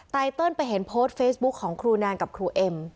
ไตเติลไปเห็นโพสต์เฟซบุ๊คของครูแนนกับครูเอ็ม